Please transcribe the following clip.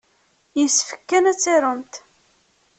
Yessefk kan ad tarumt.